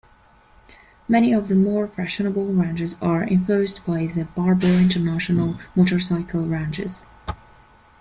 Many of the more fashionable ranges are influenced by the "Barbour International" motorcycling ranges.